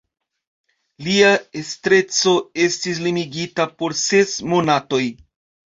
Lia estreco estis limigita por ses monatoj.